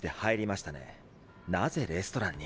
なぜレストランに？